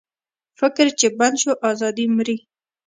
فکر چې بند شو، ازادي مري.